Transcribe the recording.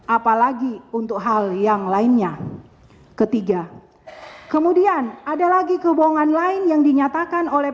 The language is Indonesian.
apalagi untuk hal yang lainnya ketiga kemudian ada lagi kebohongan lain yang dinyatakan oleh